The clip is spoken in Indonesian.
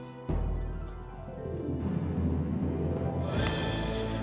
buat apalagi aku hidup